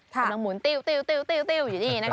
มันมุนติวอยู่นี้นะคะ